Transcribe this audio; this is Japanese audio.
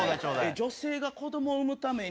女性が子どもを産むために。